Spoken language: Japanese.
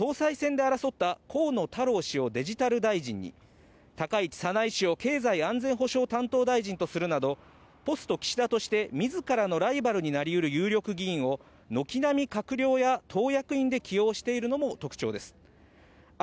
去年の総裁選で争った河野太郎氏をデジタル大臣に、高市早苗氏を経済安全保障担当大臣とするなどポスト岸田としてみずからのライバルになりうる有力議員を軒並み閣僚や党役員を起用しているのも特徴です。